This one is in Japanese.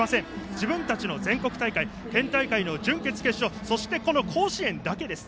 自分たちの全国大会県大会の準決、決勝そして、この甲子園だけです。